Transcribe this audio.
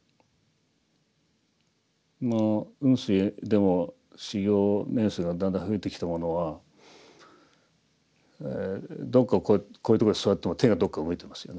雲水でも修行年数がだんだん増えてきた者はどっかこういうとこに座っても手がどっか動いてますよね。